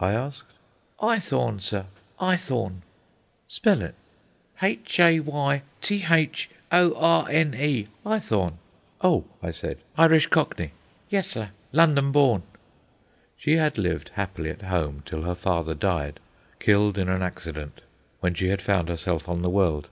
I asked. "Eyethorne, sir; Eyethorne." "Spell it." "H a y t h o r n e, Eyethorne.' "Oh," I said, "Irish Cockney." "Yes, sir, London born." She had lived happily at home till her father died, killed in an accident, when she had found herself on the world.